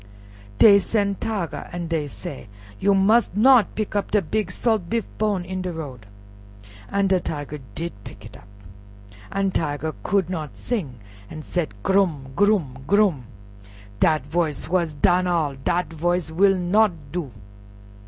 Dey sen' Tiger, an' dey said, "You must not pick up a big salt beef bone in de road." An' de Tiger did pick it up, an' Tiger could not sing, an' said, "Grum! grum! grum!" "Dat voice is wuss dan all, dat voice will not do."